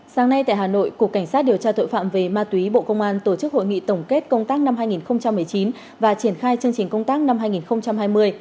sáng nay tại hà nội cục cảnh sát điều tra tội phạm về ma túy bộ công an tổ chức hội nghị tổng kết công tác năm hai nghìn một mươi chín và triển khai chương trình công tác năm hai nghìn hai mươi